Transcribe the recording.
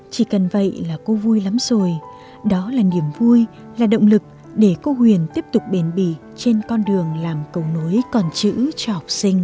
chỉ cần vậy là cô vui lắm rồi đó là niềm vui là động lực để cô huyền tiếp tục bền bỉ trên con đường làm cầu nối con chữ cho học sinh